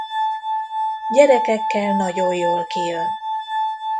Gyerekekkel nagyon jól kijön.